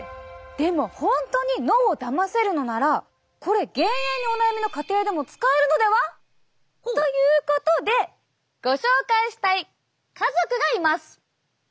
でも本当に脳をだませるのならこれ減塩にお悩みの家庭でも使えるのでは？ということでご紹介したい家族がいます！